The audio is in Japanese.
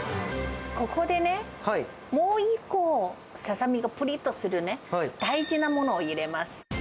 ここでね、もう１個、ササミがぷりっとするね、大事なものを入れます。